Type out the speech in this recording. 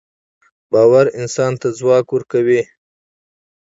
باورانسان ته ځواک ورکوي